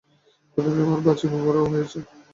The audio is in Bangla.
কত দিন আর বাঁচিব বল, বুড়া হইয়াছি!